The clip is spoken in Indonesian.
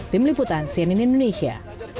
tim liputan cnn indonesia